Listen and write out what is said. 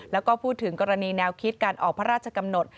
แล้วก็พูดถึงกรณีแนวคิดการออกพระราชกำหนด